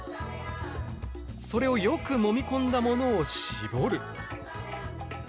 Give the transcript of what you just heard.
それをよくもみ込んだものを絞る。